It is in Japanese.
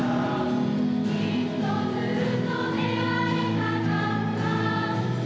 「きっとずっと出会いたかった」